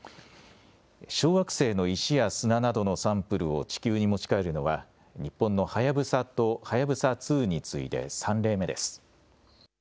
小惑星の石や砂などのサンプルを地球に持ち帰るのは、日本のはやぶさとはやぶさ２に次いで３例目です。